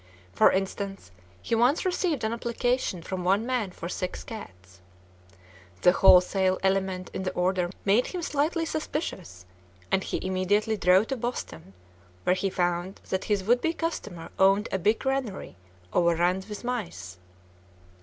For instance, he once received an application from one man for six cats. The wholesale element in the order made him slightly suspicious, and he immediately drove to Boston, where he found that his would be customer owned a big granary overrun with mice.